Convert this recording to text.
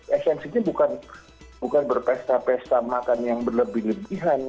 esensinya bukan berpesta pesta makan yang berlebihan